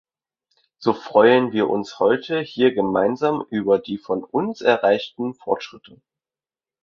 So freuen wir uns heute hier gemeinsam über die von uns erreichten Fortschritte.